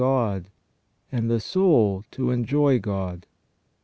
God, and the soul to enjoy God.